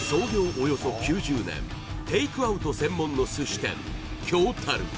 およそ９０年テイクアウト専門の寿司店京樽